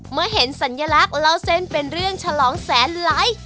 เมื่อเห็นสัญลักษณ์เล่าเส้นเป็นเรื่องฉลองแสนไลค์